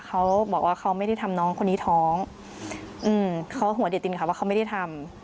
เขาบอกว่าเขาไม่ได้ทำน้องคนนี้ท้องอืมเขาหัวเดตินค่ะว่าเขาไม่ได้ทำ